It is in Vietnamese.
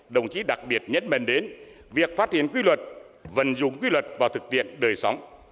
đồng chí đặc biệt nhấn mạnh đến việc phát hiện quy luật vận dụng quy luật vào thực tiện đời sống